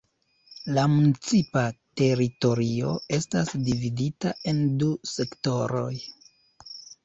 La municipa teritorio estas dividita en du sektoroj.